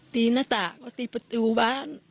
ตีหน้าต่างก็ตีประตูบ้าน